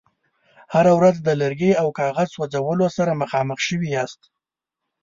هره ورځ د لرګي او کاغذ سوځولو سره مخامخ شوي یاست.